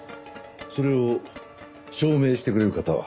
それを証明してくれる方は？